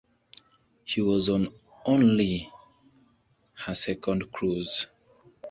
She was on only her second cruise.